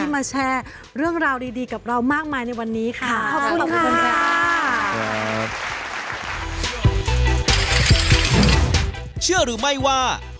มาแชร์เรื่องราวดีกับเรามากมายในวันนี้ค่ะ